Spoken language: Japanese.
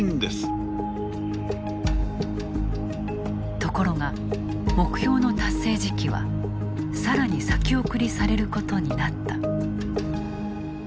ところが、目標の達成時期はさらに先送りされることになった。